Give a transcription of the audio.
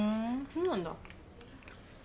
そうなんだ？